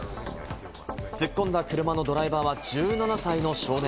突っ込んだ車のドライバーは１７歳の少年。